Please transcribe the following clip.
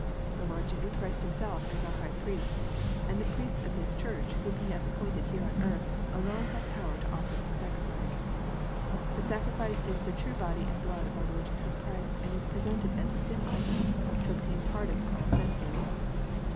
" The Lord Jesus Christ Himself as our High Priest, and the Priests of His Church whom He hath appointed here on earth, alone have power to offer this sacrifice." " The sacrifice is the true body and blood of our Lord Jesus Christ, and is presented as a sin offering to obtain pardon for our offences."